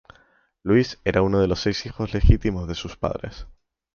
Luis era uno de los seis hijos legítimos de sus padres.